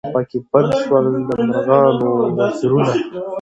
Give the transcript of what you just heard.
پکښي بند سول د مرغانو وزرونه